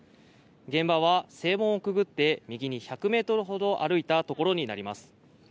現場は正門をくぐって、右に１００ｍほど歩いたところになります。